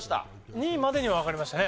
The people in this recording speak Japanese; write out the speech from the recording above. ２までにはわかりましたね。